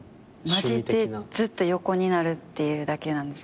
マジでずっと横になるっていうだけなんですけど。